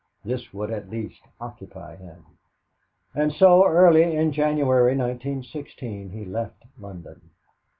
This would at least occupy him. And so, early in January, 1916, he left London.